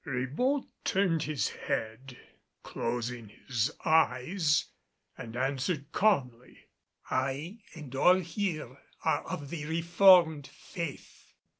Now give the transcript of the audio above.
Ribault turned his head, closing his eyes and answered calmly, "I and all here are of the Reformed Faith."